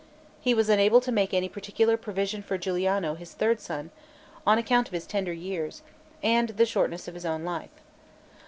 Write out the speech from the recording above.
He was unable to make any particular provision for Guiliano, his third son, on account of his tender years, and the shortness of his own life.